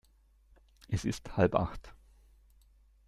Es ist halb acht.